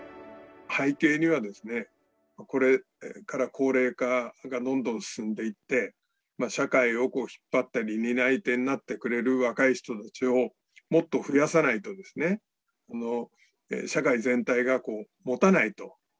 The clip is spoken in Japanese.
背景には、これから高齢化がどんどん進んでいって、社会を引っ張ったり、担い手になってくれる若い人たちをもっと増やさないと、社会全体がもたないと。